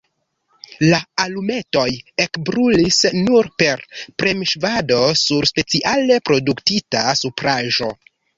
La alumetoj ekbrulis nur per premŝovado sur speciale produktita supraĵo.